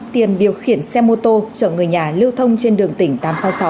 tiền điều khiển xe mô tô chở người nhà lưu thông trên đường tỉnh tám trăm sáu mươi sáu